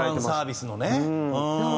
ファンサービスのね。